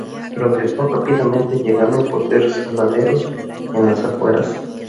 Progresó rápidamente llegando a poseer saladeros en las afueras.